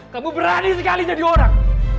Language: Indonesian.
kamu berani sekali jadi orang